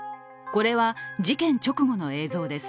これは事件直後の映像です。